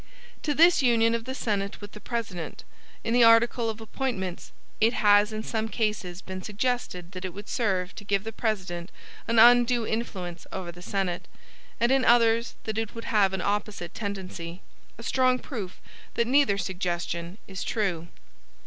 To this union of the Senate with the President, in the article of appointments, it has in some cases been suggested that it would serve to give the President an undue influence over the Senate, and in others that it would have an opposite tendency a strong proof that neither suggestion is true.